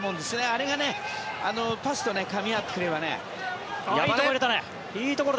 あれがパスとかみ合ってくれれば。